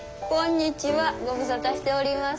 ご無沙汰しております。